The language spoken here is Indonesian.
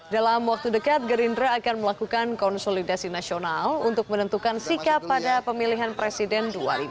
dalam waktu dekat gerindra akan melakukan konsolidasi nasional untuk menentukan sikap pada pemilihan presiden dua ribu sembilan belas